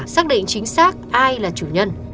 xác định chính xác ai là chủ nhân